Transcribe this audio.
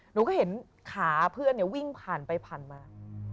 หนูก็เห็นขาเพื่อนวิ่งผ่านไปผ่านมา